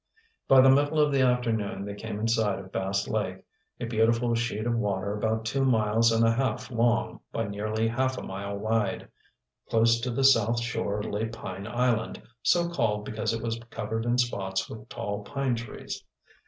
By the middle of the afternoon they came in sight of Bass Lake, a beautiful sheet of water about two miles and a half long by nearly half a mile wide. Close to the south shore lay Pine Island, so called because it was covered in spots with tall pine trees.